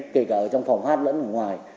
kể cả ở trong phòng hát vẫn ở ngoài